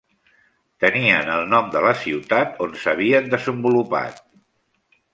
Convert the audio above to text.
Tenien el nom de la ciutat on s'havien desenvolupat.